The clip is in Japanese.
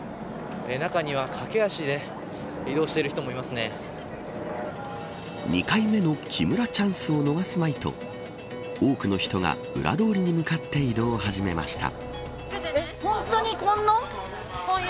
中には駆け足で２回目の木村チャンスを逃すまいと多くの人が裏通りに向かって移動を始めました。